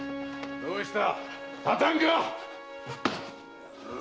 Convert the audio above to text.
どうした？